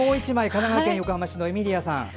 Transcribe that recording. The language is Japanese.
神奈川県横浜市のエミリアさん。